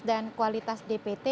dan kualitas dpt